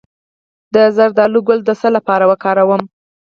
د زردالو ګل د څه لپاره وکاروم؟